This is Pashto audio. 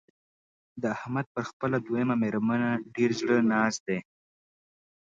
د احمد پر خپله دويمه مېرمنه ډېر زړه ناست دی.